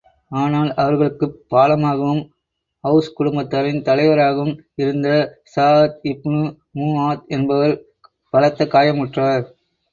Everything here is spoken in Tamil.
ஆனால் அவர்களுக்குப் பாலமாகவும், ஒளஸ் குடும்பத்தாரின் தலைவராகவும் இருந்த ஸஅத் இப்னு முஆத் என்பவர் பலத்த காயமுற்றார்.